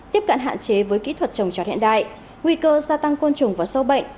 tiếp cận hạn chế với kỹ thuật trồng trọt hiện đại nguy cơ gia tăng côn trùng và sâu bệnh